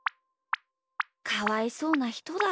かわいそうなひとだ。